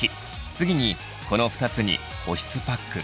次にこの２つに保湿パック